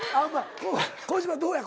小芝どうや？